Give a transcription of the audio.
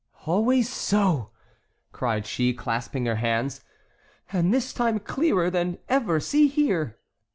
"Always so!" cried she, clasping her hands; "and this time clearer than ever; see here!"